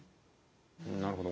なるほど。